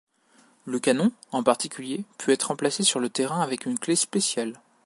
Le canon, en particulier, peut-être remplacé sur le terrain avec une clef spéciale.